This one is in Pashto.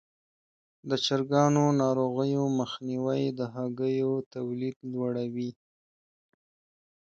د چرګانو ناروغیو مخنیوی د هګیو تولید لوړوي.